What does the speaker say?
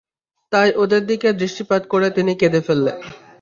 তাই ওদের দিকে দৃষ্টিপাত করে তিনি কেঁদে ফেলেন।